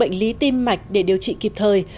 bệnh lý tim mạch để điều trị kịp thời